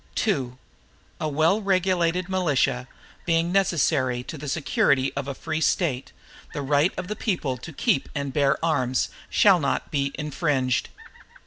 II A well regulated militia, being necessary to the security of a free State, the right of the people to keep and bear arms, shall not be infringed.